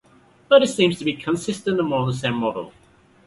But it seems to be consistent among the same model.